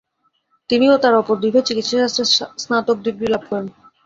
তিনি ও তার অপর দুই ভাই চিকিৎসাশাস্ত্রে স্নাতক ডিগ্রী লাভ করেন।